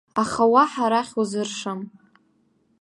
Аха уаҳа арахь узыршам.